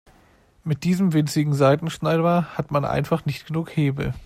Mit diesem winzigen Seitenschneider hat man einfach nicht genug Hebel.